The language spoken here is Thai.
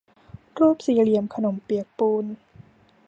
รูปสี่เหลี่ยมขนมเปียกปูน